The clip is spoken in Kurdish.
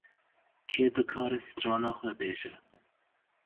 Kê dikare strana xwe bêje